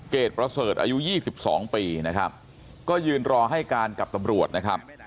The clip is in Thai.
ประเสริฐอายุ๒๒ปีนะครับก็ยืนรอให้การกับตำรวจนะครับ